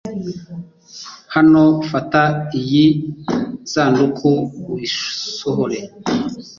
Hano, fata iyi sanduka uyisohore